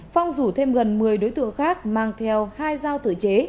phong rủ thêm gần một mươi đối tượng khác mang theo hai giao tử chế